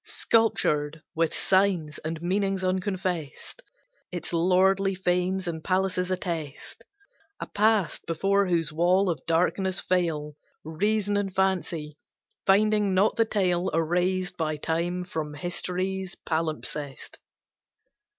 Sculptured with signs and meanings unconfessed, Its lordly fanes and palaces attest A past before whose wall of darkness fail Reason and fancy, finding not the tale Erased by time from history's palimpsest.